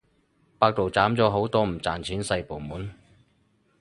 百度斬咗好多唔賺錢細部門